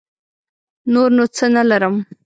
نور نو څه نه لرم.